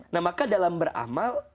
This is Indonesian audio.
nah maka dalam beramal